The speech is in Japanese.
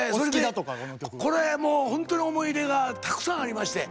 これもうホントに思い入れがたくさんありまして。